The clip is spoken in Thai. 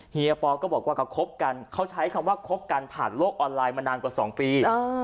เฮียปอก็บอกว่าเขาคบกันเขาใช้คำว่าคบกันผ่านโลกออนไลน์มานานกว่า๒ปี